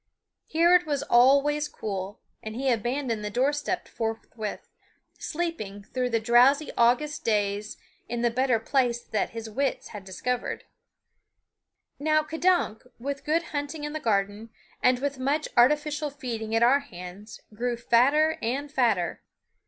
Here it was always cool, and he abandoned the door step forthwith, sleeping through the drowsy August days in the better place that his wits had discovered. Now K'dunk, with good hunting in the garden and with much artificial feeding at our hands, grew fatter and fatter.